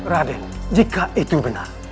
raden jika itu benar